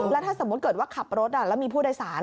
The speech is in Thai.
แล้วถ้าสมมุติเกิดว่าขับรถแล้วมีผู้โดยสาร